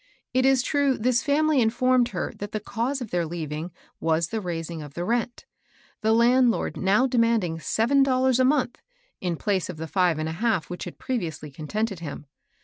It is true this family informed her that the cause of their leaving was the raising of the rent, — the landlord now demanding seven dollars a month, in place of the five and a half which had previously contented him.